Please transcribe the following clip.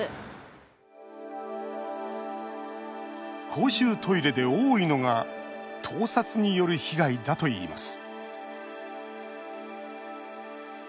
公衆トイレで多いのが盗撮による被害だといいます